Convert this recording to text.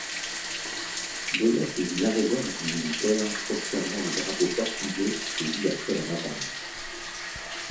Goya saisit l'arrogance du militaire observant les drapeaux portugais saisis après la bataille.